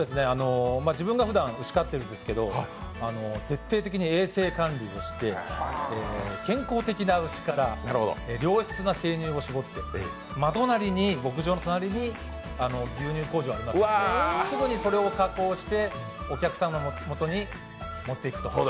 自分がふだんやってるんでけすど、徹底的に衛生管理をして健康的な牛から良質な生乳を搾って、牧場の隣に、牛乳工場ありますのですぐにそれを加工して、お客様のもとに持っていくと。